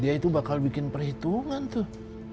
dia itu bakal bikin perhitungan tuh